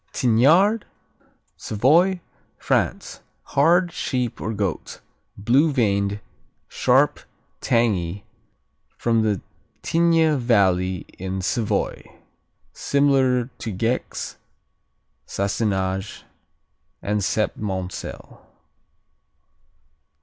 Tignard Savoy, France Hard; sheep or goat; blue veined; sharp; tangy; from Tigne Valley in Savoy. Similar to Gex, Sassenage and Septmoncel.